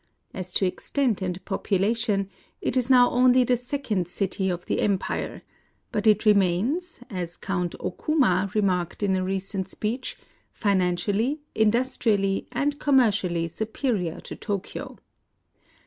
As to extent and population, it is now only the sec ond city of the empire ; but it remains, as Count Okuma remarked in a recent speech, financially, industrially, and commercially su perior to Tokyo.